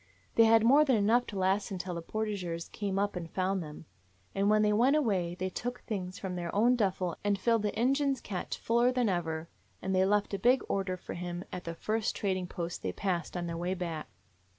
"They had more than enough to last until the portageurs came up and found them. And when they went away they took things from their own duffel and filled the Injun's cache fuller than ever, and they left a big order for him at the first trading post they passed on their way back.